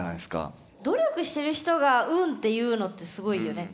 努力してる人が「運」って言うのってすごいよね。